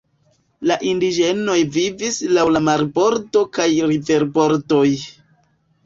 La indiĝenoj vivis laŭ la marbordo kaj riverbordoj.